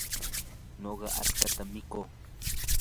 nuqa achkatam mikuu.